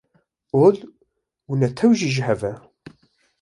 Ol û netew jî ji hev e.